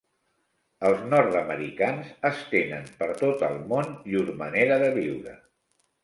Els nord-americans estenen per tot el món llur manera de viure.